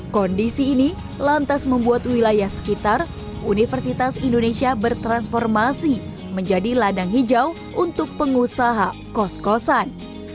kondisi ini lantas membuat wilayah sekitar universitas indonesia bertransformasi menjadi ladang hijau untuk pengusaha kos kosan